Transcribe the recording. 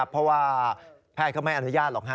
เพราะว่าแพทย์เขาไม่อนุญาตหรอก